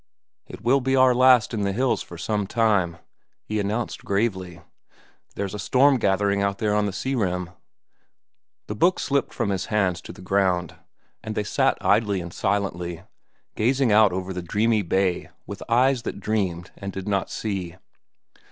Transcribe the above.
"It will be our last in the hills for some time," he announced gravely. "There's a storm gathering out there on the sea rim." The book slipped from his hands to the ground, and they sat idly and silently, gazing out over the dreamy bay with eyes that dreamed and did not see.